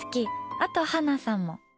あと、ハナさんも！